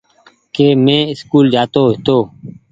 ڪي مين اسڪول جآ تو هيتو